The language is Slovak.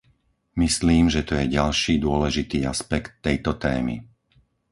Myslím, že to je ďalší dôležitý aspekt tejto témy.